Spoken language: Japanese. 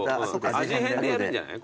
味変でやるんじゃない？